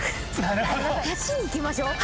橋にいきましょ。